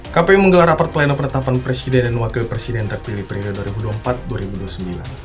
kpu menggelar rapat plenum penetapan presiden dan wakil presiden terpilih periode dua ribu empat dua ribu sembilan